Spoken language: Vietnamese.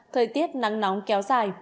thời tiết nắng nóng kéo dài